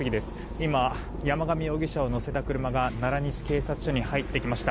今、山上容疑者を乗せた車が奈良西警察署に入ってきました。